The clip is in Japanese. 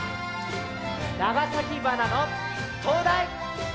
長崎鼻のとうだい！